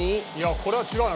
これは違うな。